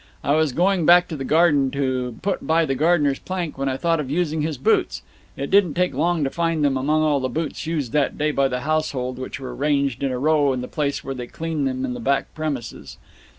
I was going back to the garden to put by the gardener's plank, when I thought of using his boots. It didn't take long to find them among all the boots used that day by the household, which were ranged in a row in the place where they clean them in the back premises.